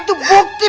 tuh tuh tuh tuh